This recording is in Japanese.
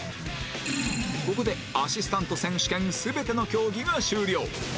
ここでアシスタント選手権全ての競技が終了